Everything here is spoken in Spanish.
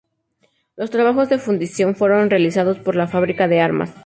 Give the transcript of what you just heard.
Los trabajos de fundición fueron realizados por la Fábrica de Armas.